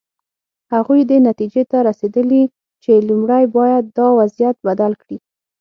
هغوی دې نتیجې ته رسېدلي چې لومړی باید دا وضعیت بدل کړي.